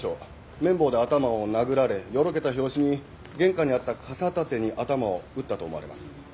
麺棒で頭を殴られよろけた拍子に玄関にあった傘立てに頭を打ったと思われます。